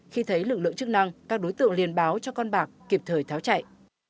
khi thấy lực lượng chức năng các đối tượng liên báo cho con bạc kịp thời tháo chạy